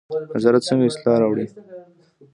نظارت څنګه اصلاح راوړي؟